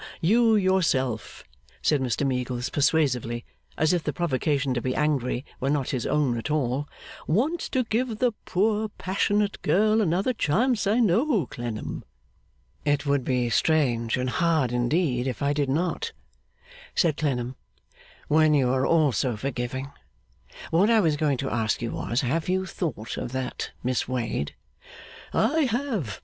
You yourself,' said Mr Meagles, persuasively, as if the provocation to be angry were not his own at all, 'want to give the poor passionate girl another chance, I know, Clennam.' 'It would be strange and hard indeed if I did not,' said Clennam, 'when you are all so forgiving. What I was going to ask you was, have you thought of that Miss Wade?' 'I have.